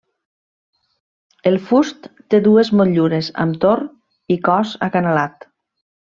El fust té dues motllures amb tor i cos acanalat.